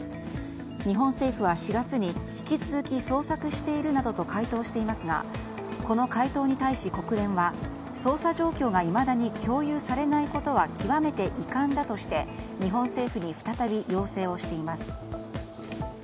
日本政府は、４月に引き続き捜索しているなどと回答していますがこの回答に対し、国連は捜査状況がいまだに共有されないことは極めて遺憾だとして日本政府に再び要請をしています。